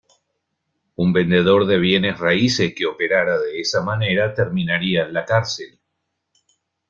Un vendedor de bienes raíces que operara de esa manera terminaría en la cárcel".